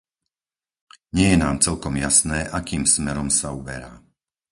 Nie je nám celkom jasné, akým smerom sa uberá.